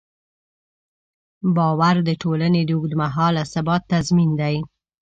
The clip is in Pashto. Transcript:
باور د ټولنې د اوږدمهاله ثبات تضمین دی.